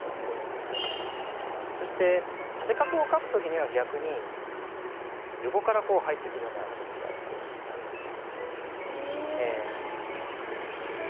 そして縦画を書く時には逆に横からこう入ってくるような形がこうなりますね。